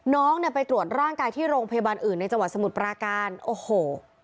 น้องเนี่ยไปตรวจร่างกายที่โรงพยาบาลอื่นในจังหวัดสมุทรปราการโอ้โห